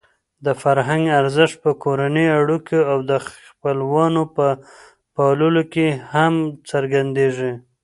د فرهنګ ارزښت په کورنۍ اړیکو او د خپلوانو په پاللو کې هم څرګندېږي.